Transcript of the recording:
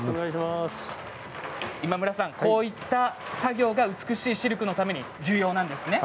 こういった作業が美しいシルクのために重要なんですね。